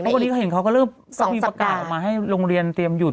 วันนี้เขาเห็นเขาก็เริ่มมีประกาศออกมาให้โรงเรียนเตรียมหยุด